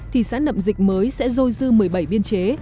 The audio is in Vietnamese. thì xã nậm dịch mới sẽ dôi dư một mươi bảy biên chế